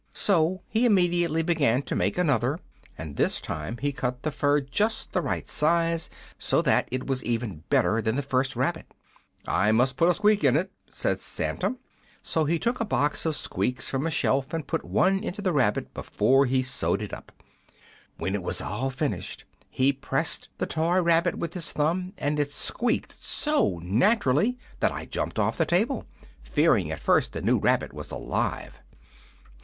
"So he immediately began to make another, and this time he cut the fur just the right size, so that it was even better than the first rabbit. "'I must put a squeak in it,' said Santa. "So he took a box of squeaks from a shelf and put one into the rabbit before he sewed it up. When it was all finished he pressed the toy rabbit with his thumb, and it squeaked so naturally that I jumped off the table, fearing at first the new rabbit was alive.